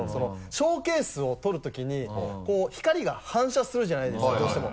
ショーケースを撮るときにこう光が反射するじゃないですかどうしても。